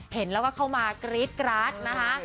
เห็นแล้วเขามากริตกราชนะฮะ